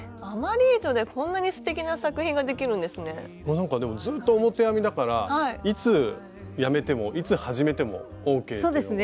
なんかでもずっと表編みだからいつやめてもいつ始めてもＯＫっていうのが。